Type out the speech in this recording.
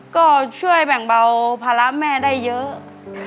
ก็ช่วยแบ่งเบาภาระแม่ได้เยอะ